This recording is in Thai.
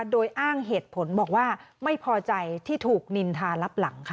โดยอ้างเหตุผลบอกว่าไม่พอใจที่ถูกนินทารับหลังค่ะ